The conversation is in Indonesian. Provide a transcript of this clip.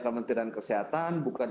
kementerian kesehatan bukan